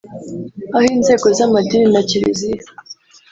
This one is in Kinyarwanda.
aho inzego z’amadini na Kiliziya